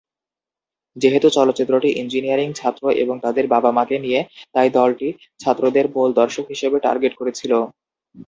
যেহেতু চলচ্চিত্রটি ইঞ্জিনিয়ারিং ছাত্র এবং তাদের বাবা-মাকে নিয়ে তাই দলটি ছাত্রদের মূল দর্শক হিসেবে টার্গেট করেছিল।